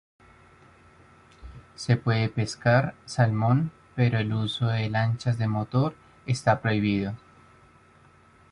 Se puede pescar salmón, pero el uso de lanchas de motor está prohibido.